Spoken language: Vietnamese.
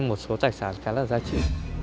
một số tài sản khá là giá trị